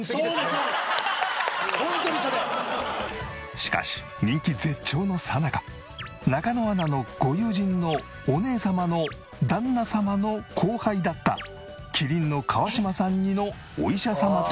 しかし人気絶頂のさなか中野アナのご友人のお姉様の旦那様の後輩だった麒麟の川島さん似のお医者様と電撃結婚。